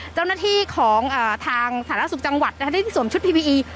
เจ้าหน้าที่ของทางสาธารณสุขจังหวัดได้ที่สวมชุดพีพีอี